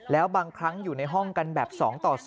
แล้วบางครั้งอยู่ในห้องกันแบบ๒ต่อ๒